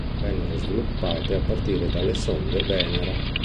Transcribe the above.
Vennero sviluppate a partire delle sonde Venera.